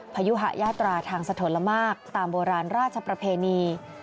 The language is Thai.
พยุหะยาตราทางสะทนละมากตามโบราณราชประเพณี